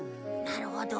なるほど。